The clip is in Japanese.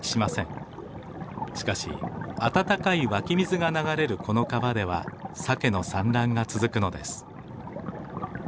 しかし温かい湧き水が流れるこの川ではサケの産卵が続くのです。